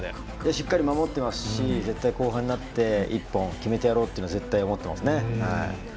しっかり守ってますし絶対、後半になったら１本決めてやろうというのは絶対に思ってますね。